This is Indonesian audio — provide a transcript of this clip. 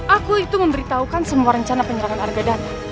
aku itu memberitahukan semua rencana penyerangan argadana